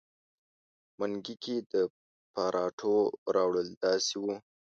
منګي کې د پراټو راوړل داسې وو.